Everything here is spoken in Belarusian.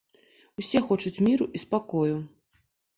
Усе хочуць міру і спакою.